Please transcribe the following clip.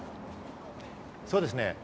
そうですね。